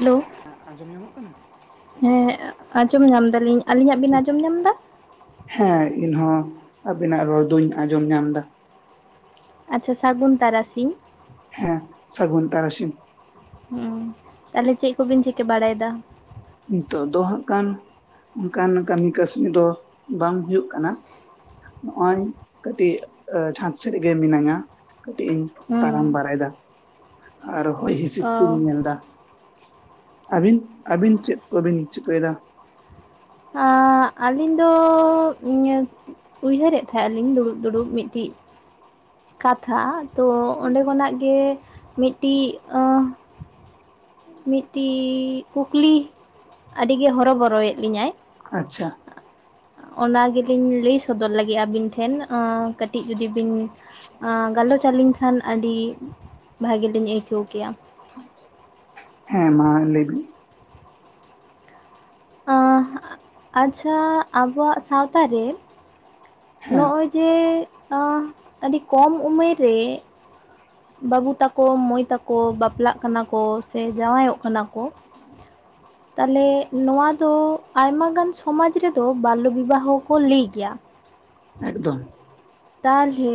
Hello ᱦᱮᱸ ᱟᱸᱡᱚᱢ ᱧᱟᱢᱚᱜ ᱠᱟᱱᱟ? ᱦᱮᱸ ᱟᱸᱡᱚᱢ ᱧᱟᱢᱫᱟ ᱞᱤᱧ ᱾ ᱟᱹᱞᱤᱧᱟᱜ ᱵᱤᱱ ᱟᱸᱡᱚᱢ ᱧᱟᱢᱫᱟ? ᱦᱮᱸ ᱤᱱᱦᱚᱸ ᱟᱵᱤᱱᱟᱜ ᱨᱚᱲ ᱫᱩᱧ ᱟᱡᱚᱢ ᱧᱟᱢᱫᱟ ᱾ ᱟᱪᱪᱷᱟ ᱥᱟᱹᱜᱩᱱ ᱛᱟᱨᱟᱥᱤᱧ। ᱦᱮᱸ, ᱥᱟᱹᱜᱩᱱ ᱛᱟᱨᱟᱥᱤᱧ। ᱦᱩᱸ। ᱛᱟᱦᱞᱮ ᱪᱮᱫ ᱠᱚᱵᱤᱱ ᱪᱤᱠᱟᱹ ᱵᱟᱲᱟᱭᱮᱫᱟ? ᱱᱤᱛᱚᱜ ᱫᱚ ᱦᱟᱸᱜ ᱠᱟᱱ, ᱚᱱᱠᱟᱱ ᱠᱟᱹᱢᱤ ᱠᱟᱹᱥᱱᱤ ᱫᱚ ᱵᱟᱝ ᱦᱩᱭᱩᱜ ᱠᱟᱱᱟ। ᱱᱚᱜᱼᱚᱭ ᱠᱟᱹᱴᱤᱡ ᱡᱷᱟᱛ ᱥᱮᱫ ᱨᱮᱜᱮ ᱢᱤᱱᱟᱹᱧᱟ। ᱠᱟᱹᱴᱤᱡ ᱤᱧ ᱛᱟᱲᱟᱢ ᱦᱩᱸ ᱵᱟᱲᱟᱭᱮᱫᱟ, ᱟᱨ ᱦᱚᱭ ᱦᱤᱸᱥᱤᱫ ᱚ ᱠᱩᱧ ᱧᱮᱞᱫᱟ᱾ ᱟᱹᱵᱤᱱ, ᱟᱹᱵᱤᱱ ᱪᱮᱫ ᱠᱚᱵᱤᱱ ᱪᱤᱠᱟᱹᱭᱮᱫᱟ? ᱟᱜ ᱟᱹᱞᱤᱧ ᱫᱚᱻ [unintelligible] ᱩᱭᱦᱟᱹᱨᱮᱫ ᱛᱟᱦᱮᱸᱜ ᱟᱞᱤᱧ ᱫᱩᱲᱩᱵ ᱢᱤᱫᱴᱤᱡ ᱼᱼ ᱠᱟᱛᱷᱟ᱾ ᱛᱚ ᱚᱸᱰᱮ ᱠᱷᱚᱱᱟᱜ ᱜᱮ ᱢᱤᱫᱴᱤᱡ ᱢᱤᱫᱴᱤᱡ ᱠᱩᱠᱞᱤ ᱟᱹᱰᱤ ᱜᱮ ᱦᱚᱨᱚ ᱵᱚᱨᱚᱭᱮᱫ ᱞᱤᱧᱟᱭ᱾ ᱟᱪᱪᱷᱟ᱾ ᱚᱱᱟ ᱜᱮᱞᱤᱧ ᱞᱟᱹᱭ ᱥᱚᱫᱚᱨ ᱞᱟᱹᱜᱤᱫ ᱟᱹᱵᱤᱱ ᱴᱷᱮᱱ, ᱚᱸᱻ ᱠᱟᱹᱴᱤᱡ ᱡᱩᱫᱤ ᱵᱤᱱ ᱟᱸᱻ ᱜᱟᱞᱚᱪ ᱟᱞᱤᱧ ᱠᱷᱟᱱ, ᱟᱹᱰᱤ ᱵᱷᱟᱜᱤ ᱞᱤᱧ ᱟᱹᱭᱠᱟᱹᱣ ᱠᱮᱭᱟ᱾ [inaudible] ᱦᱮᱸ ᱢᱟ ᱞᱟᱹᱭ ᱢᱮ᱾ ᱟᱸᱻ ᱟᱪᱪᱷᱟ ᱟᱵᱚᱣᱟᱜ ᱥᱟᱶᱛᱟ ᱨᱮ ᱦᱮᱸ ᱱᱚᱜᱼᱚᱭ ᱡᱮ, ᱟᱸᱻ ᱟᱹᱰᱤ ᱠᱚᱢ ᱩᱢᱮᱨ ᱨᱮ ᱵᱟᱹᱵᱩ ᱛᱟᱠᱚ, ᱢᱟᱹᱭ ᱛᱟᱠᱚ, ᱵᱟᱯᱞᱟᱜ ᱠᱟᱱᱟ ᱠᱚ ᱥᱮ ᱡᱟᱶᱟᱭᱚᱜ ᱠᱟᱱᱟ ᱠᱚ᱾ [inaudible] ᱛᱟᱦᱚᱞᱮ ᱱᱚᱣᱟ ᱫᱚ ᱟᱭᱢᱟ ᱜᱟᱱ ᱥᱚᱢᱟᱡᱽ ᱨᱮᱫᱚ ᱵᱟᱞᱞᱚ ᱵᱤᱵᱟᱦᱚ ᱠᱚ ᱞᱟᱹᱭ ᱜᱮᱭᱟ᱾ ᱮᱠᱫᱚᱢ᱾ ᱛᱟᱞᱦᱮ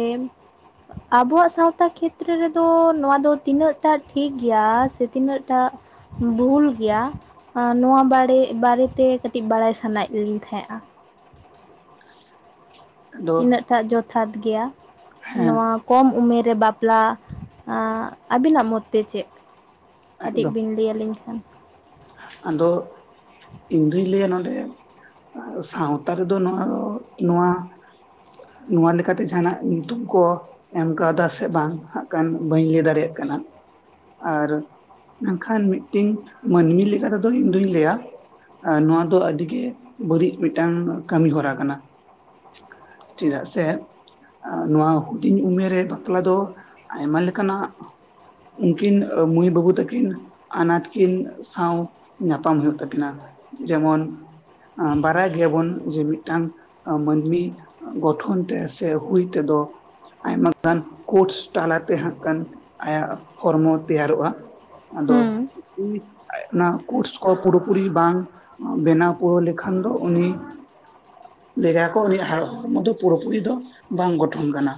ᱟᱵᱚᱣᱟᱜ ᱥᱟᱶᱛᱟ ᱠᱷᱮᱛᱨᱮ ᱨᱮᱫᱚ ᱱᱚᱣᱟ ᱫᱚ ᱛᱤᱱᱟᱹᱜ ᱴᱟᱜ ᱴᱷᱤᱠ ᱜᱮᱭᱟ ᱥᱮ ᱛᱤᱱᱟᱹᱜ ᱴᱟᱜ ᱵᱷᱩᱞ ᱜᱮᱭᱟ᱾ ᱟᱸ ᱱᱚᱣᱟ ᱵᱟᱲᱮ ᱵᱟᱨᱮ ᱛᱮ ᱠᱟᱹᱴᱤᱡ ᱵᱟᱲᱟᱭ ᱥᱟᱱᱟᱭᱮᱫ ᱞᱤᱧ ᱛᱟᱦᱮᱸᱜᱼᱟ᱾ [inaudible] ᱛᱤᱱᱟᱹᱜ ᱴᱟᱜ ᱡᱚᱛᱷᱟᱛ ᱜᱮᱭᱟ, ᱦᱮᱸ ᱱᱚᱣᱟ ᱠᱚᱢ ᱩᱢᱮᱨ ᱨᱮ ᱵᱟᱯᱞᱟ, ᱟᱸ ᱟᱹᱵᱤᱱᱟᱜ ᱢᱚᱛ ᱛᱮ ᱪᱮᱫ? ᱠᱟᱹᱴᱤᱡ ᱮᱠᱫᱚᱢ ᱵᱤᱱ ᱞᱟᱹᱭ ᱟᱹᱞᱤᱧ ᱠᱷᱟᱱ᱾ ᱟᱫᱚ, ᱤᱧ ᱫᱩᱧ ᱞᱟᱹᱭᱟ ᱱᱚᱰᱮ ᱥᱟᱶᱛᱟ ᱨᱮᱫᱚ ᱱᱚᱣᱟ ᱫᱚ, ᱱᱚᱣᱟ ᱱᱚᱣᱟ ᱞᱮᱠᱟᱛᱮ ᱡᱟᱦᱟᱸᱱᱟᱜ ᱧᱩᱛᱩᱢ ᱠᱚ ᱮᱢ ᱠᱟᱣᱫᱟ ᱥᱮ ᱵᱟᱝ ᱦᱟᱸᱜ ᱠᱷᱟᱱ ᱵᱟᱹᱧ ᱞᱟᱹᱭ ᱫᱟᱲᱮᱭᱟᱜ ᱠᱟᱱᱟ᱾ ᱟᱨ ᱢᱮᱱᱠᱷᱟᱱ ᱢᱤᱫᱴᱤᱝ ᱢᱟᱹᱱᱢᱤ ᱞᱮᱠᱟ ᱛᱮᱫᱚ ᱤᱧ ᱫᱩᱧ ᱞᱟᱹᱭᱟ᱾ ᱮ ᱱᱚᱣᱟ ᱫᱚ ᱟᱹᱰᱤ ᱜᱮ ᱵᱟᱹᱲᱤᱡ ᱢᱤᱫᱴᱟᱝ ᱠᱟᱹᱢᱤ ᱦᱚᱨᱟ ᱠᱟᱱᱟ᱾ ᱪᱮᱫᱟᱜ ᱥᱮ ᱟ ᱱᱚᱣᱟ ᱦᱩᱰᱤᱧ ᱩᱢᱮᱨ ᱨᱮ ᱵᱟᱯᱞᱟ ᱫᱚ, ᱟᱭᱢᱟ ᱞᱮᱠᱟᱱᱟᱜ ᱩᱝᱠᱤᱱ ᱢᱟᱹᱭ ᱵᱟᱹᱵᱩ ᱛᱟᱹᱠᱤᱱ, ᱟᱱᱟᱴ ᱠᱤᱱ ᱥᱟᱶ ᱧᱟᱯᱟᱢ ᱦᱩᱭᱩᱜ ᱛᱟᱹᱠᱤᱱᱟ᱾ ᱡᱮᱢᱚᱱ ᱟᱸ ᱵᱟᱨᱟᱭ ᱜᱮᱭᱟ ᱵᱚᱱ ᱡᱮ ᱢᱤᱫᱴᱟᱝ ᱢᱟᱹᱱᱢᱤ ᱜᱚᱴᱷᱚᱱ ᱛᱮ, ᱥᱮ ᱦᱩᱭ ᱛᱮᱫᱚ ᱟᱭᱢᱟ ᱜᱟᱱ ᱠᱳᱪᱥ ᱛᱟᱞᱟᱛᱮ ᱦᱟᱸᱜ ᱠᱷᱟᱱ ᱟᱭᱟᱜ ᱦᱚᱨᱢᱚ ᱛᱮᱭᱟᱨᱚᱜᱼᱟ᱾ ᱟᱫᱚ ᱦᱩᱸ ᱩᱱᱤ ᱚᱱᱟ ᱠᱳᱨᱥ ᱠᱚ ᱯᱩᱨᱟᱹ ᱯᱩᱨᱤ ᱵᱟᱝ ᱵᱮᱱᱟᱣ ᱯᱩᱨᱟᱹᱣ ᱞᱮᱠᱷᱟᱱ ᱫᱚ ᱩᱱᱤ ᱞᱟᱹᱭᱟ ᱠᱚ ᱩᱱᱤᱭᱟᱜ ᱦᱚᱨᱢᱚ ᱫᱚ ᱯᱩᱨᱟᱹ ᱯᱩᱨᱤ ᱫᱚ ᱵᱟᱝ ᱜᱚᱴᱷᱚᱱ ᱠᱟᱱᱟ᱾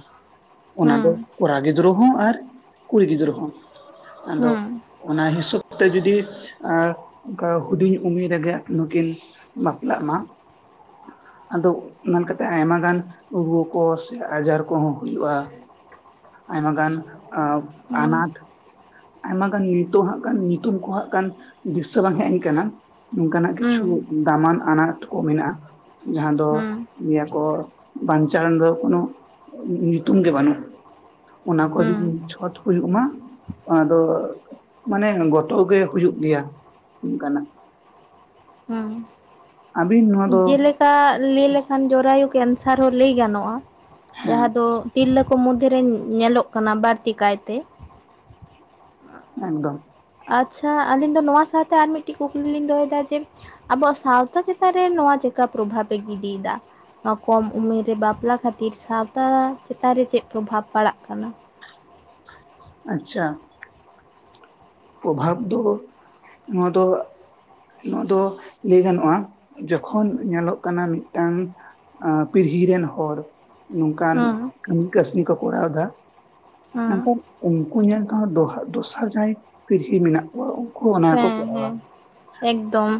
ᱚᱱᱟ ᱫᱚ ᱦᱩᱸ ᱠᱚᱲᱟ ᱜᱤᱫᱽᱨᱟᱹ ᱦᱚᱸ ᱟᱨ ᱠᱩᱲᱤ ᱜᱤᱫᱽᱨᱟᱹ ᱦᱚᱸ᱾ ᱟᱫᱚ, ᱦᱩᱸ ᱚᱱᱟ ᱦᱤᱥᱟᱹᱵ ᱛᱮ ᱡᱩᱫᱤ ᱟᱨ ᱚᱝᱠᱟ ᱦᱩᱰᱤᱧ ᱩᱢᱮᱨ ᱨᱮᱜᱮ ᱟᱠᱤᱱ ᱦᱚᱸᱠᱤᱱ, ᱵᱟᱯᱞᱟᱜ ᱢᱟ᱾ ᱟᱫᱚ ᱢᱮᱱ ᱠᱟᱛᱮ ᱟᱭᱢᱟ ᱜᱟᱱ ᱨᱩᱭᱟᱹ ᱠᱚ ᱥᱮ ᱟᱡᱟᱨ ᱠᱚᱦᱚᱸ ᱦᱩᱭᱩᱜᱼᱟ᱾ ᱟᱭᱢᱟ ᱜᱟᱱ ᱟᱸ ᱦᱩᱸ ᱟᱱᱟᱴ ᱟᱭᱢᱟ ᱜᱟᱱ ᱱᱤᱛᱚᱜ ᱦᱟᱸᱜ ᱠᱷᱟᱱ ᱧᱤᱛᱩᱢ ᱠᱚ ᱦᱟᱸᱜ ᱠᱟᱱ ᱫᱤᱥᱟᱹ ᱵᱟᱝ ᱦᱮᱡ ᱟᱧ ᱠᱟᱱᱟ᱾ ᱱᱚᱝᱠᱟᱱᱟᱜ ᱠᱤᱪᱷᱩ ᱦᱩᱸ ᱫᱟᱢᱟᱱ ᱟᱱᱟᱴ ᱠᱚᱜ ᱢᱮᱱᱟᱜ-ᱟ ᱡᱟᱦᱟᱸ ᱫᱚ ᱦᱩᱸ ᱧᱤᱭᱟ ᱠᱚ ᱵᱟᱧᱪᱟᱣ ᱨᱮᱱ ᱫᱚ ᱠᱳᱱᱳ ᱩᱸ ᱩᱸ ᱧᱩᱛᱩᱢ ᱜᱮ ᱵᱟᱹᱱᱩᱜ ᱚᱱᱟ ᱠᱚ ᱦᱩᱸ ᱡᱩᱫᱤ ᱪᱷᱚᱛ ᱦᱩᱭᱩᱜ ᱢᱟ ᱟᱫᱚ ᱢᱟᱱᱮ ᱜᱚᱛᱚ ᱜᱮ ᱦᱩᱭᱩᱜ ᱜᱮᱭᱟ ᱚᱱᱠᱟᱱᱟᱜ ᱦᱩᱸ ᱟᱹᱵᱤᱱ ᱱᱚᱣᱟ ᱫᱚ ᱡᱮᱞᱮᱠᱟ ᱞᱟᱹᱭ ᱞᱮᱠᱷᱟᱱ ᱡᱚᱨᱟᱭᱩ ᱠᱮᱱᱥᱟᱨ ᱦᱚᱸ ᱞᱟᱹᱭ ᱜᱟᱱᱚᱜᱼᱟ᱾ ᱦᱮᱸ ᱡᱟᱦᱟᱸ ᱫᱚ ᱛᱤᱨᱞᱟᱹ ᱠᱚ ᱢᱚᱫᱽᱫᱷᱮ ᱨᱮ ᱧᱮᱞᱚᱜ ᱠᱟᱱᱟ ᱵᱟᱹᱲᱛᱤ ᱠᱟᱭᱛᱮ ᱮᱠᱫᱚᱢ, ᱟᱪᱪᱷᱟ ᱟᱹᱞᱤᱧ ᱫᱚ ᱱᱚᱣᱟ ᱥᱟᱶᱛᱮ ᱟᱨ ᱢᱤᱫᱴᱤᱡ ᱠᱩᱠᱞᱤ ᱞᱤᱧ ᱫᱚᱦᱚᱭ ᱫᱟ ᱡᱮ ᱟᱵᱚᱣᱟᱜ ᱥᱟᱶᱛᱟ ᱪᱮᱛᱟᱱ ᱨᱮ ᱱᱚᱣᱟ ᱪᱮᱠᱟ ᱯᱨᱚᱵᱷᱟᱵᱽᱯᱮ ᱜᱤᱰᱤᱭ ᱮᱫᱟ? ᱱᱚᱣᱟ ᱠᱚᱢ ᱩᱢᱮᱨ ᱨᱮ ᱵᱟᱯᱞᱟ ᱠᱷᱟᱹᱛᱤᱨ ᱥᱟᱶᱛᱟ ᱪᱮᱛᱟᱱ ᱨᱮ ᱪᱮᱜ ᱯᱨᱚᱵᱷᱟᱵᱽ ᱯᱟᱲᱟᱜ ᱠᱟᱱᱟ? ᱟᱪᱪᱷᱟ, ᱯᱨᱚᱵᱷᱟᱵᱽ ᱫᱚ ᱱᱚᱣᱟ ᱫᱚ ᱱᱚᱣᱟ ᱫᱚ ᱞᱟᱹᱭ ᱜᱟᱱᱚᱜᱼᱟ᱾ ᱡᱚᱠᱷᱚᱱ ᱧᱮᱞᱚᱜ ᱠᱟᱱᱟ ᱢᱤᱫᱴᱟᱝ ᱟᱸ ᱯᱤᱲᱦᱤ ᱨᱮᱱ ᱦᱚᱲ ᱱᱚᱝᱠᱟᱱ ᱦᱩᱸ ᱠᱟᱹᱢᱤ ᱠᱟᱹᱥᱱᱤ ᱠᱚ ᱠᱚᱨᱟᱣ ᱮᱫᱟ ᱦᱩᱸ ᱢᱮᱱᱠᱷᱟᱱ ᱩᱱᱠᱩ ᱧᱮᱞ ᱛᱮᱦᱚᱸ ᱰᱚᱦᱟ ᱫᱚᱥᱟ ᱡᱟᱦᱟᱸᱭ ᱯᱤᱨᱦᱤ ᱢᱮᱱᱟᱜ ᱠᱚᱣᱟ ᱩᱝᱠ ᱦᱮᱸ ᱦᱮᱸ ᱮᱠᱫᱚᱢ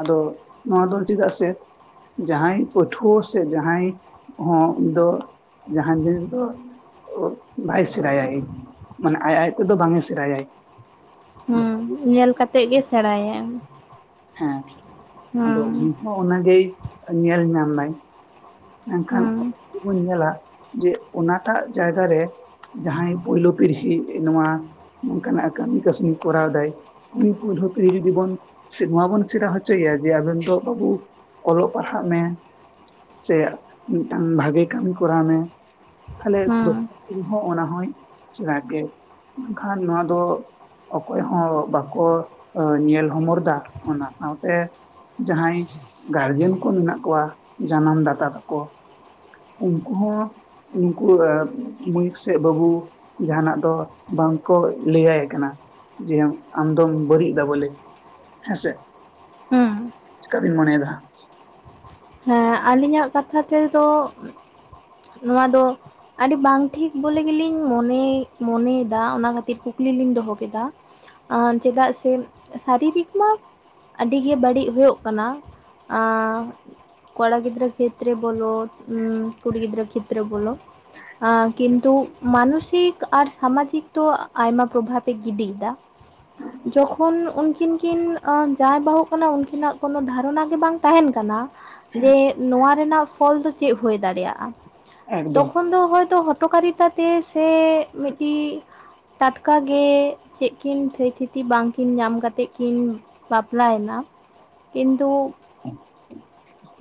ᱟᱫᱚ ᱱᱚᱣᱟ ᱫᱚ ᱪᱮᱫᱟᱜ ᱥᱮ ᱡᱟᱦᱟᱸᱭ ᱯᱟᱹᱴᱷᱩᱣᱟᱹ ᱥᱮ ᱡᱟᱦᱟᱸᱭ ᱦᱚᱸ ᱫᱚ ᱡᱟᱦᱟᱸᱭ ᱵᱤᱱ ᱫᱚ ᱚᱜ ᱵᱟᱭ ᱥᱮᱨᱟᱭᱟᱭ ᱢᱟᱱᱮ ᱟᱡ ᱟᱡ ᱛᱮᱫᱚ ᱵᱟᱝᱜᱮ ᱥᱮᱨᱟᱭᱟᱭ᱾ ᱦᱩᱸ [inaudible] ᱧᱮᱞ ᱠᱟᱛᱮᱜ ᱜᱮ ᱥᱮᱬᱟᱭᱟᱭ᱾ ᱦᱮᱸ ᱟᱫᱚ ᱱᱤᱛ ᱦᱚᱸ ᱚᱱᱟᱜᱮᱭ ᱧᱮᱞ ᱧᱟᱢᱱᱟᱭ ᱮᱱᱠᱷᱟᱱ ᱦᱩᱸ [inaudible] ᱧᱮᱞᱟ ᱡᱮ ᱚᱱᱟᱴᱟᱜ ᱡᱟᱭᱜᱟ ᱨᱮ ᱡᱟᱦᱟᱸᱭ ᱯᱳᱭᱞᱳ ᱯᱤᱲᱦᱤ ᱱᱚᱣᱟ ᱱᱚᱝᱠᱟᱱᱟᱜ ᱠᱟᱹᱢᱤ ᱠᱟᱹᱥᱱᱤ ᱠᱚᱨᱟᱣ ᱫᱟᱭ ᱩᱱᱤᱠᱩ [inaudible] ᱠᱤᱨᱭᱟᱹ ᱡᱤᱵᱚᱱ ᱥᱮ ᱱᱚᱣᱟ ᱵᱚᱱ ᱥᱮᱲᱟ ᱦᱚᱪᱚᱭᱮᱭᱟ᱾ ᱡᱮ ᱟᱵᱮᱱ ᱫᱚ ᱵᱟᱹᱵᱩ ᱚᱞᱚᱜ ᱯᱟᱲᱦᱟᱜ ᱢᱮ, ᱥᱮ ᱢᱤᱫᱴᱟᱝ ᱵᱷᱟᱹᱜᱮ ᱠᱟᱹᱢᱤ ᱠᱚᱨᱟᱣ ᱢᱮ᱾ ᱛᱟᱦᱞᱮ ᱦᱩᱸ ᱛᱚ ᱦᱚᱸ ᱚᱱᱟ ᱦᱚᱭ ᱥᱮᱬᱟ ᱠᱮᱫᱽ ᱢᱮᱱᱠᱷᱟᱱ ᱱᱚᱣᱟ ᱫᱚ ᱚᱠᱚᱭ ᱦᱚᱸ ᱵᱟᱠᱚ ᱧᱮᱞ ᱦᱚᱢᱚᱨ ᱫᱟ᱾ ᱚᱱᱟ ᱥᱟᱶᱛᱮ ᱡᱟᱦᱟᱸᱭ ᱜᱟᱨᱡᱮᱱ ᱠᱚ ᱢᱮᱱᱟᱜ ᱠᱚᱣᱟ᱾ ᱡᱟᱱᱟᱢ ᱫᱟᱛᱟ ᱛᱟᱠᱚ᱾ ᱩᱱᱠᱩ ᱦᱚᱸ ᱩᱱᱠᱩ ᱮᱯ ᱢᱟᱹᱭᱤᱠ ᱥᱮ ᱵᱟᱹᱵᱩ ᱡᱟᱦᱟᱸᱱᱟᱜ ᱫᱚ ᱵᱟᱝ ᱠᱚ ᱞᱟᱹᱭᱟᱭ ᱠᱟᱱᱟ᱾ ᱡᱮ ᱟᱢ ᱟᱢᱫᱚᱢ ᱵᱟᱹᱡᱤᱡ ᱫᱟ ᱵᱚᱞᱮ ᱦᱮᱸᱥᱮ᱾ ᱦᱩᱸ ᱪᱮᱠᱟ ᱵᱤᱱ ᱢᱚᱱᱮᱭᱫᱟ? ᱦᱮᱸ ᱟᱞᱤᱧᱟᱜ ᱠᱟᱛᱷᱟ ᱛᱮᱫᱚ ᱱᱚᱣᱟ ᱫᱚ ᱟᱹᱰᱤ ᱵᱟᱝ ᱴᱷᱤᱠ ᱵᱚᱞᱮ ᱜᱮᱞᱤᱝ ᱢᱚᱱᱮ ᱢᱚᱱᱮᱭᱮᱫᱟ᱾ ᱚᱱᱟ ᱠᱷᱟᱹᱛᱤᱨ ᱠᱩᱠᱞᱤ ᱞᱤᱧ ᱫᱚᱦᱚ ᱠᱮᱫᱟ᱾ ᱟᱸᱱ ᱪᱮᱫᱟᱜ ᱥᱮ ᱥᱟᱨᱤᱨᱤᱠ ᱢᱟ ᱟᱹᱰᱤ ᱜᱮ ᱵᱟᱹᱲᱤᱜ ᱦᱩᱭᱳᱜ ᱠᱟᱱᱟ᱾ ᱟᱸᱻ ᱠᱚᱲᱟ ᱜᱤᱫᱽᱨᱟᱹ ᱠᱷᱮᱛᱨᱮ ᱵᱚᱞᱚ ᱦᱩᱸ ᱠᱩᱲᱤ ᱜᱤᱫᱽᱨᱟᱹ ᱠᱷᱮᱛᱨᱮ ᱵᱚᱞᱚ᱾ ᱟ ᱠᱤᱱᱛᱩ ᱢᱟᱱᱚᱥᱤᱠ ᱟᱨ ᱥᱟᱢᱟᱡᱤᱠ ᱫᱚ ᱛᱚ ᱟᱭᱢᱟ ᱯᱨᱚᱵᱷᱟᱵᱮ ᱜᱤᱰᱤᱭᱮᱫᱟ᱾ ᱡᱚᱠᱷᱚᱱ ᱩᱱᱠᱤᱱ ᱠᱤᱱ ᱟᱹ ᱡᱟᱸᱭ ᱵᱟᱹᱦᱩᱜ ᱠᱟᱱᱟ᱾ ᱩᱱᱠᱤᱱᱟᱜ ᱠᱳᱱᱳ ᱫᱷᱟᱨᱚᱱᱟ ᱜᱮ ᱵᱟᱝ ᱛᱟᱦᱮᱱ ᱠᱟᱱᱟ᱾ ᱡᱮ ᱱᱚᱣᱟ ᱨᱮᱱᱟᱜ ᱯᱷᱚᱞ ᱫᱚ ᱪᱮᱫ ᱦᱩᱭ ᱫᱟᱲᱮᱭᱟᱜᱼᱟ᱾ ᱮᱠᱫᱚᱢ ᱛᱚᱠᱷᱚᱱ ᱫᱚ ᱦᱳᱭᱛᱳ ᱦᱚᱴᱚᱠᱟᱨᱤ ᱛᱟᱨ ᱛᱮ ᱥᱮ ᱢᱤᱫᱴᱤᱡ ᱴᱟᱴᱠᱟ ᱜᱮ ᱪᱮᱫ ᱠᱤᱱ ᱛᱷᱟᱹᱭ ᱛᱷᱤᱛᱤ ᱵᱟᱝᱠᱤᱱ ᱧᱟᱢ ᱠᱟᱛᱮᱜ ᱠᱤᱱ ᱵᱟᱯᱞᱟ ᱭᱮᱱᱟ ᱠᱤᱱᱛᱩ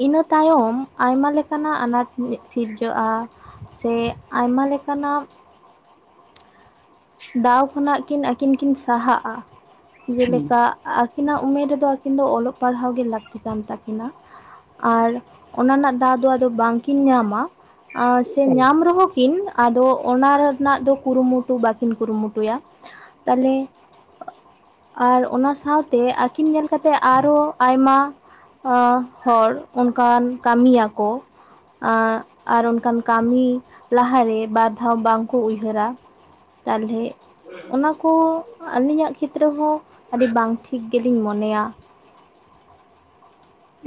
ᱤᱱᱟᱹ ᱛᱟᱭᱚᱢ ᱟᱭᱢᱟ ᱞᱮᱠᱟ ᱱᱟᱜ ᱟᱱᱟᱴ ᱥᱤᱨᱡᱹᱟ-ᱟ᱾ ᱥᱮ ᱟᱭᱢᱟ ᱞᱮᱠᱟᱱᱟᱜ ᱫᱟᱣ ᱠᱷᱚᱱᱟᱜ ᱠᱤᱱ ᱟᱹᱠᱤᱱ ᱠᱤᱱ ᱥᱟᱦᱟᱼᱟ᱾ ᱦᱮᱸ ᱡᱮᱞᱮᱠᱟ ᱟᱹᱠᱤᱱᱟᱜ ᱩᱢᱮᱨ ᱨᱮᱫᱚ ᱟᱹᱠᱤᱱ ᱫᱚ ᱚᱞᱚᱜ ᱞᱟᱲᱦᱟᱣ ᱜᱮ ᱞᱟᱠᱛᱤ ᱠᱟᱱ ᱛᱟᱹᱠᱤᱱᱟ᱾ ᱟᱨ ᱚᱱᱟ ᱱᱟᱜ ᱫᱟᱣ ᱫᱚ ᱟᱫᱚ ᱵᱟᱝᱠᱤᱱ ᱧᱟᱢᱟ ᱟᱥ ᱥᱮ ᱧᱟᱢ ᱨᱮᱦᱚᱸ ᱠᱤᱱ ᱟᱫᱚ ᱚᱱᱟ ᱨᱮᱱᱟᱜ ᱫᱚ ᱠᱩᱨᱩᱢᱩᱴᱩ ᱵᱟᱠ ᱠᱤᱱ ᱠᱩᱨᱩᱢᱩᱴᱩᱭᱟ ᱛᱟᱦᱞᱮ ᱟᱨ ᱚᱱᱟ ᱥᱟᱶᱛᱮ ᱟᱠᱤᱱ ᱧᱮᱞ ᱠᱟᱛᱮ ᱟᱨᱦᱚ ᱟᱭᱢᱟ ᱦᱚ ᱦᱚᱲ ᱚᱱᱠᱟᱱ ᱠᱟᱹᱢᱤᱭᱟᱠᱚ ᱟ ᱟᱨ ᱚᱱᱠᱟᱱ ᱠᱟᱹᱢᱤ ᱞᱟᱦᱟᱨᱮ ᱵᱟᱨ ᱫᱷᱟᱣ ᱵᱟᱝᱠᱚ ᱩᱭᱦᱟᱹᱨᱟ᱾ ᱛᱟᱞ ᱦᱮ ᱚᱱᱟ ᱠᱚ ᱟᱹᱞᱤᱧᱟᱜ ᱠᱷᱮᱛᱨᱮ ᱦᱚᱸ ᱟᱹᱰᱤ ᱵᱟᱝ ᱴᱷᱤᱠ ᱜᱮ ᱞᱤᱧ ᱢᱚᱱᱮᱭᱟ᱾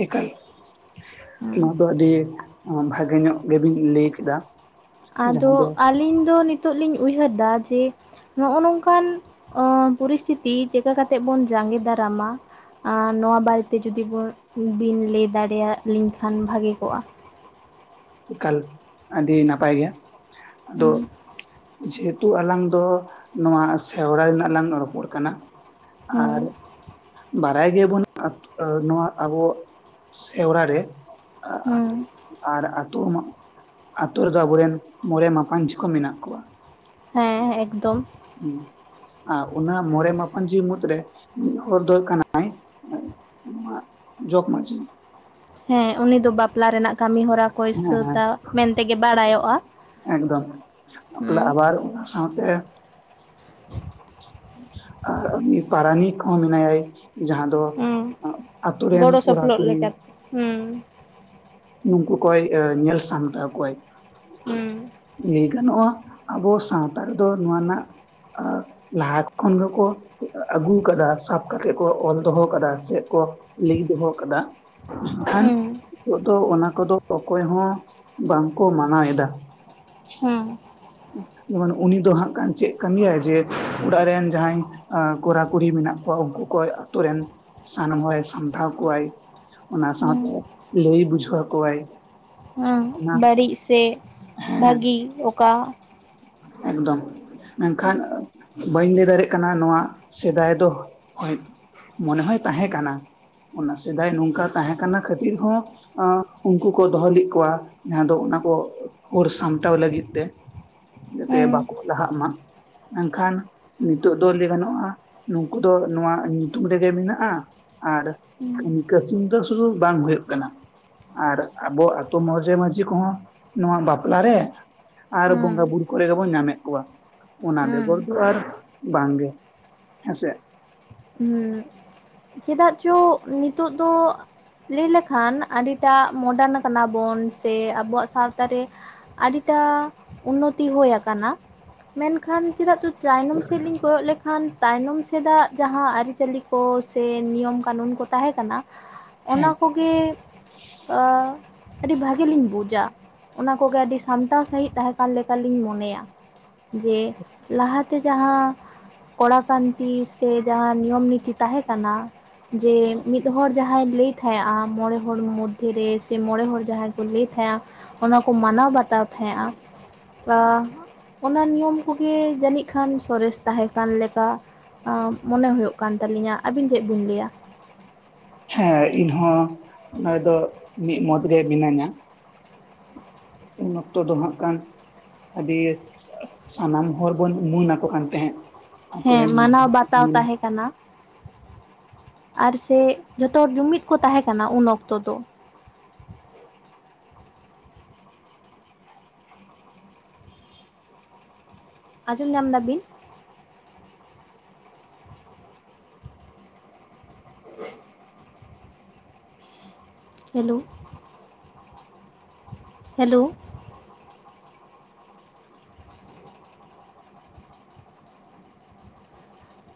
ᱮᱠᱟᱞ ᱚᱱᱟ ᱫᱚ ᱟᱹᱰᱤ ᱵᱷᱟᱜᱮ ᱧᱚᱜ ᱜᱮᱵᱤᱱ ᱞᱟᱹᱭ ᱠᱮᱫᱟ᱾ ᱟᱫᱚ ᱡᱟᱦᱟᱸ ᱫᱚ ᱟᱹᱞᱤᱧ ᱫᱚ ᱱᱤᱛᱚᱜ ᱞᱤᱧ ᱩᱭᱦᱟᱹᱨ ᱫᱟ ᱡᱮ ᱱᱚᱼᱚ ᱱᱚᱝᱠᱟᱱ ᱚᱻ ᱯᱚᱨᱤᱥᱛᱷᱤᱛᱤ ᱪᱮᱠᱟ ᱠᱟᱛᱮᱜ ᱵᱚᱱ ᱡᱟᱸᱜᱮ ᱫᱟᱨᱟᱢᱟ᱾ ᱟᱨ ᱱᱚᱣᱟ ᱵᱟᱨᱮᱛᱮ ᱡᱩᱫᱤ ᱵᱚᱱ ᱵᱤᱱ ᱞᱟᱹᱭ ᱫᱟᱲᱮᱭᱟ ᱞᱤᱧ ᱠᱷᱟᱱ ᱵᱷᱟᱜᱮ ᱠᱚᱼᱟ᱾ ᱮᱠᱟᱞ ᱟᱹᱰᱤ ᱱᱟᱯᱟᱭ ᱜᱮ ᱟᱫᱚ ᱦᱩᱸ ᱡᱮᱦᱮᱛᱩ ᱟᱞᱟᱝ ᱫᱚ ᱱᱚᱣᱟ ᱥᱮᱣᱨᱟᱭ ᱨᱮᱱᱟᱜ ᱞᱟᱝ ᱨᱚᱯᱚᱲ ᱠᱟᱱᱟ ᱟᱨ ᱦᱩᱸ ᱵᱟᱨᱟᱭ ᱜᱮᱭᱟ ᱵᱚᱱ ᱟᱛ ᱚ ᱱᱚᱣᱟ ᱟᱵᱚ ᱥᱮᱣᱨᱟ ᱨᱮ ᱟ ᱟᱜ ᱦᱩᱸ ᱟᱨ ᱟᱛᱳ ᱚᱢᱟᱜ ᱟᱛᱳ ᱨᱮᱫᱚ ᱟᱵᱚᱨᱮᱱ ᱢᱚᱬᱮ ᱢᱟᱯᱟᱱᱡᱷᱤ ᱠᱚ ᱢᱮᱱᱟᱜ ᱠᱚᱣᱟ᱾ ᱦᱮᱸ ᱮᱠᱫᱚᱢ᱾ ᱦᱩᱸ ᱟᱨ ᱚᱱᱟ ᱢᱚᱬᱮ ᱢᱟᱯᱟᱱᱡᱣᱤ ᱢᱩᱫᱽᱨᱮ ᱢᱤ ᱦᱚᱲ ᱫᱚ ᱠᱟᱱᱟ ᱱᱚᱣᱟᱜ ᱡᱚᱠ ᱢᱟᱡᱷᱤ᱾ ᱦᱮᱸ ᱩᱱᱤ ᱫᱚ ᱵᱟᱯᱞᱟ ᱨᱮᱱᱟᱜ ᱠᱟᱢᱤ ᱦᱚᱨᱟ ᱠᱚᱭ ᱦᱮᱸ ᱦᱮᱸ ᱥᱟᱛᱟ ᱢᱮᱱᱛᱮ ᱜᱮ ᱵᱟᱲᱟᱭᱚᱼᱟ, ᱮᱠᱫᱚᱢ ᱦᱩᱸ᱾ ᱟᱵᱟᱨ ᱚᱱᱟ ᱥᱟᱶᱛᱮ ᱟᱨ ᱩᱱᱤ ᱯᱟᱨᱟᱱᱤᱠ ᱦᱚᱸ ᱢᱮᱱᱟᱭᱟᱭ ᱡᱟᱦᱟᱸ ᱫᱚ ᱦᱩᱸ ᱟᱛᱳ ᱨᱮᱱ ᱜᱚᱲᱚ ᱠᱚᱲᱟ ᱥᱚᱯᱚᱦᱚᱫ ᱠᱩᱲᱤ ᱞᱮᱠᱟᱛᱮ ᱦᱩᱸ᱾ ᱱᱩᱠᱩ ᱠᱚᱭ ᱮ ᱧᱮᱞ ᱥᱟᱢᱴᱟᱣ ᱠᱚᱣᱟᱭ᱾ ᱦᱮᱸ᱾ ᱞᱟᱹᱭ ᱜᱟᱱᱚᱼᱟ ᱟᱵᱚ ᱥᱟᱶᱛᱟ ᱨᱮᱫᱚ ᱱᱚᱣᱟ ᱱᱟᱜ ᱟᱜ ᱞᱟᱦᱟ ᱠᱷᱚᱱ ᱜᱮ ᱠᱚ ᱟᱹᱜᱩ ᱠᱟᱫᱟ ᱥᱟᱵ ᱠᱟᱛᱮᱜ ᱠᱚ ᱚᱞ ᱫᱚᱦᱚ ᱠᱟᱫᱟ ᱥᱮ ᱠᱚ ᱞᱟᱹᱭ ᱫᱚᱦᱚ ᱠᱟᱫᱟ᱾ ᱠᱷᱟᱱᱪ ᱦᱩᱸ ᱱᱤᱛᱚᱜ ᱫᱚ ᱚᱱᱟ ᱠᱚᱫᱚ ᱚᱠᱚᱭ ᱦᱚᱸ ᱵᱟᱝᱠᱚ ᱢᱟᱱᱟᱣ ᱮᱫᱟ᱾ ᱦᱮᱸ᱾ ᱡᱮᱢᱚᱱ ᱩᱱᱤ ᱫᱚ ᱦᱟᱸᱜ ᱠᱟᱱ ᱪᱮᱜ ᱠᱟᱹᱢᱤ ᱭᱟᱭ ᱡᱮ ᱚᱲᱟᱜ ᱨᱮᱱ ᱡᱟᱦᱟᱸᱭ ᱟᱸ ᱠᱚᱲᱟ ᱠᱩᱲᱤ ᱢᱮᱱᱟᱜ ᱠᱚᱣᱟ ᱩᱱᱠᱩ ᱠᱚᱭ ᱟᱛᱩ ᱨᱮᱱ ᱥᱟᱱᱟᱢ ᱦᱚᱲᱮ ᱥᱟᱢᱴᱷᱟᱣ ᱠᱚᱣᱟᱭ᱾ ᱚᱱᱟ ᱦᱩᱸ ᱥᱟᱳᱛᱮ ᱞᱟᱭ ᱵᱩᱡᱷᱟᱹᱣ ᱟᱠᱚ ᱟᱭ᱾ ᱚᱸᱻ ᱵᱟᱹᱲᱤᱡ ᱥᱮ ᱦᱮᱸ ᱵᱷᱟᱜᱤ ᱚᱠᱟ ᱮᱠᱫᱚᱢ ᱢᱮᱱ ᱠᱷᱟᱱ ᱵᱟᱹᱧ ᱞᱟᱹᱭ ᱫᱟᱲᱮ ᱠᱟᱱᱟ ᱱᱚᱣᱟ ᱥᱮᱫᱟᱭ ᱫᱚ ᱦᱳᱭ ᱢᱚᱱᱮ ᱦᱚᱭ ᱛᱟᱦᱮ ᱠᱟᱱᱟ᱾ ᱚᱱᱟ ᱥᱮᱫᱟᱭ ᱱᱚᱝᱠᱟ ᱛᱟᱦᱮᱸ ᱠᱟᱱᱟ ᱠᱷᱟᱹᱛᱤᱨ ᱦᱚᱸ᱾ ᱚᱻ ᱩᱱᱠᱩ ᱠᱚ ᱫᱚᱦᱚ ᱞᱮᱫ ᱠᱚᱣᱟ ᱡᱟᱦᱟᱸ ᱫᱚ ᱚᱱᱟ ᱠᱚ ᱚᱨ ᱥᱟᱢᱴᱟᱣ ᱞᱟᱹᱜᱤᱫ ᱛᱮ᱾ [inaudible] ᱛᱮ ᱵᱟᱠᱚ ᱞᱟᱦᱟᱜ ᱢᱟ ᱢᱮᱱᱠᱷᱟᱱ᱾ ᱱᱤᱛᱚᱜ ᱫᱚ ᱞᱟᱹᱭ ᱜᱟᱱᱚᱜᱼᱟ ᱱᱩᱝᱠᱩ ᱫᱚ ᱱᱚᱣᱟ ᱧᱩᱛᱩᱢ ᱨᱮᱜᱮ ᱢᱮᱱᱟᱜᱼᱟ᱾ ᱟᱨ ᱦᱩᱸ [unintelligible] ᱫᱚ ᱥᱩᱫᱷᱩ ᱵᱟᱝ ᱦᱩᱭᱩᱜ ᱠᱟᱱᱟ᱾ ᱟᱨ ᱟᱵᱚ ᱟᱛᱳ ᱢᱳᱲᱮ ᱢᱟᱺᱡᱷᱤ ᱠᱚᱦᱚᱸ ᱱᱚᱣᱟ ᱵᱟᱯᱞᱟ ᱨᱮ᱾ ᱟᱨ ᱦᱩᱸ ᱵᱚᱸᱜᱟ ᱵᱩᱨᱩ ᱠᱚᱨᱮ ᱜᱮᱵᱚᱱ ᱧᱟᱢᱮᱫ ᱠᱚᱣᱟ ᱚᱱᱟ ᱦᱩᱸ ᱵᱮᱜᱚᱨ ᱫᱚ ᱟᱨ᱾ ᱵᱟᱝ ᱜᱮ ᱦᱮᱸᱥᱮ᱾ ᱦᱩᱸ ᱪᱮᱫᱟᱜ ᱪᱚ ᱱᱤᱛᱚᱜ ᱫᱚ᱾ ᱞᱟᱹᱭ ᱞᱮᱠᱷᱟᱱ ᱟᱹᱰᱤᱴᱟᱜ ᱢᱚᱰᱟᱱ ᱠᱟᱱᱟᱵᱚᱱ ᱥᱮ ᱟᱵᱚᱣᱟᱜ ᱥᱟᱶᱛᱟ ᱨᱮ᱾ ᱟᱹᱰᱤᱴᱟ ᱩᱱᱚᱛᱤ ᱦᱩᱭ ᱟᱠᱟᱱᱟ᱾ ᱢᱮᱱᱠᱷᱟᱱ ᱪᱮᱫᱟᱜ ᱪᱚ ᱪᱟᱭᱱᱚᱢ ᱥᱮᱫ ᱞᱤᱧ ᱠᱚᱭᱚᱜ ᱞᱮᱠᱷᱟᱱ ᱛᱟᱭᱱᱚᱢ ᱥᱮᱫᱟᱜ ᱡᱟᱦᱟᱸ ᱟᱹᱨᱤᱪᱟᱹᱞᱤ ᱠᱚ ᱥᱮ ᱱᱤᱭᱚᱢ ᱠᱟᱱᱩᱱ ᱠᱚ ᱛᱟᱦᱮᱸ ᱠᱟᱱᱟ᱾ ᱚᱱᱟ ᱦᱮᱸ ᱠᱚᱜᱮ ᱚ ᱟᱹᱰᱤ ᱵᱷᱟᱹᱜᱮ ᱞᱤᱧ ᱵᱩᱡᱟ᱾ ᱚᱱᱟ ᱠᱚᱜᱮ ᱟᱹᱰᱤ ᱥᱟᱢᱴᱟᱣ ᱥᱟᱹᱦᱤᱡ ᱛᱟᱦᱮᱸ ᱠᱟᱱ ᱞᱮᱠᱟᱞᱤᱧ ᱢᱚᱱᱮᱭᱟ᱾ ᱡᱮ ᱞᱟᱦᱟᱛᱮ ᱡᱟᱦᱟᱸ ᱠᱚᱲᱟ ᱠᱟᱱᱛᱤ᱾ ᱛᱮ ᱡᱟᱦᱟᱸ ᱱᱤᱭᱚᱢ ᱱᱤᱛᱤ ᱛᱟᱦᱮᱸ ᱠᱟᱱᱟ ᱡᱮ ᱢᱤᱫ ᱦᱚᱲ ᱡᱟᱦᱟᱸᱭ ᱞᱟᱹᱭ ᱛᱟᱦᱮᱸᱜ-ᱟ᱾ᱢᱚᱬᱮ ᱦᱚᱲ ᱢᱚᱫᱽᱫᱷᱮ ᱨᱮ ᱥᱮ ᱢᱚᱬᱮ ᱦᱚᱲ ᱡᱟᱦᱟᱸᱭ ᱠᱚ ᱞᱟᱹᱭ ᱛᱟᱦᱮᱸᱜ-ᱟ᱾ ᱚᱱᱟ ᱠᱚ ᱢᱟᱱᱟᱣ ᱵᱟᱛᱟᱣ ᱛᱟᱦᱮᱸᱜ-ᱟ᱾ ᱟ, ᱚᱱᱟ ᱱᱤᱭᱚᱢ ᱠᱚᱜᱮ ᱡᱟᱹᱱᱤᱡ ᱠᱷᱟᱱ ᱥᱚᱨᱮᱥ ᱛᱟᱦᱮᱸ ᱠᱟᱱ ᱞᱮᱠᱟ᱾ ᱟ, ᱢᱚᱱᱮ ᱦᱩᱭᱩᱜ ᱠᱟᱱ ᱛᱟᱹᱞᱤᱧᱟ ᱟᱹᱵᱤᱱ ᱪᱮᱫ ᱵᱤᱱ ᱞᱟᱹᱭᱟ? ᱦᱮᱸ ᱤᱧ ᱦᱚᱸ ᱚᱱᱟᱨᱮ ᱫᱚ ᱢᱤᱫ ᱢᱚᱛ ᱨᱮ ᱢᱤᱱᱟᱹᱧᱟ᱾ ᱩᱱ ᱚᱠᱛᱚ ᱫᱚ ᱦᱟᱸᱜ ᱠᱟᱱ᱾ ᱟᱹᱰᱤ ᱥᱟᱱᱟᱢ ᱦᱚᱲ ᱵᱚᱱ ᱩᱢᱩᱱ ᱟᱠᱚ ᱠᱟᱱ ᱛᱟᱦᱮᱸᱫ᱾ ᱟᱛᱳ ᱦᱮᱸ ᱨᱮᱱ ᱢᱟᱱᱟᱣ ᱵᱟᱛᱟᱣ ᱛᱟᱦᱮᱸ ᱠᱟᱱᱟ, ᱲᱟᱨ ᱥᱮ ᱡᱷᱚᱛᱚ ᱦᱚᱲ ᱡᱩᱢᱤᱫ ᱠᱚ ᱛᱟᱦᱮᱸ ᱠᱟᱱᱟ ᱩᱱ ᱚᱠᱛᱚ ᱫᱚ᱾ ᱟᱸᱡᱚᱢ ᱧᱟᱢ ᱫᱟᱵᱤᱱ? [unintelligible] ᱦᱮᱞᱳ᱾ ᱦᱮᱞᱳ᱾